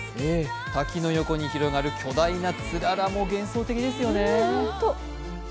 滝の横に広がる巨大なつららも幻想的ですよね。